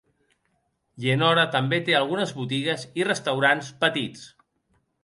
Yennora també té algunes botigues i restaurants petits.